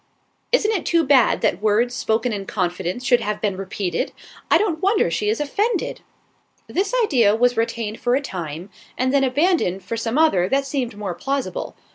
"Isn't it too bad that words spoken in confidence should have been repeated! I don't wonder she is offended." This idea was retained for a time, and then abandoned for some other that seemed more plausible.